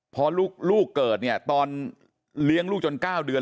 พอลูกเกิดเนี่ยตอนเลี้ยงลูกจน๙เดือน